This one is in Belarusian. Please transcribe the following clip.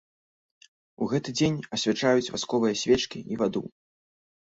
У гэты дзень асвячаюць васковыя свечкі і ваду.